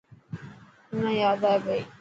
منا ياد ائي پئي.